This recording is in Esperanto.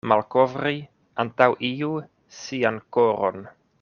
Malkovri antaŭ iu sian koron.